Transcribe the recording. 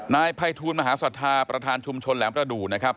นายภัยทูลมหาศรัทธาประธานชุมชนแหลมประดูกนะครับ